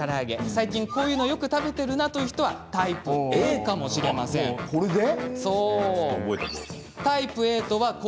最近こういうのよく食べてるなという人はタイプＡかもしれませんこれで？そう覚えとこう。